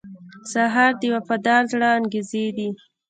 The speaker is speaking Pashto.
سهار د وفادار زړه انګازې دي.